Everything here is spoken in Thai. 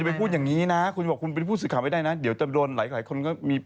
จริงทุกวันที่คนเล่าข่าวมาจากโซเชียล